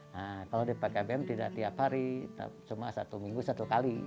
nah kalau dipakai abm tidak tiap hari cuma satu minggu satu kali